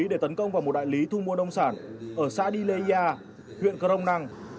để tấn công vào một đại lý thu mua nông sản ở xã dileya huyện crom năng